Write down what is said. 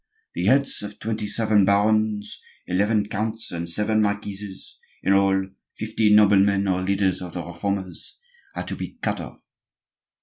The heads of twenty seven barons, eleven counts, and seven marquises,—in all, fifty noblemen or leaders of the Reformers,—are to be cut off.